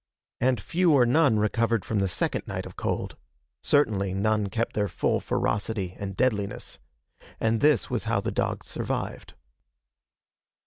And few or none recovered from the second night of cold. Certainly none kept their full ferocity and deadliness. And this was how the dogs survived.